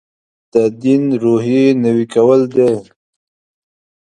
تدین روحیې نوي کول دی.